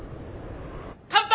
乾杯！